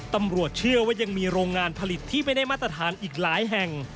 ตำรวจเชื่อว่ายังมีโรงงานผลิตที่ไม่ได้มาตรฐานอีกหลายแห่ง